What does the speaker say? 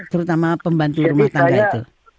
terutama pembantu rumah tangga itu